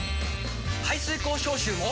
排水口消臭も！